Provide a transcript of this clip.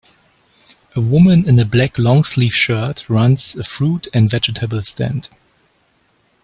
A woman in a black longsleeve shirt runs a fruit and vegetable stand.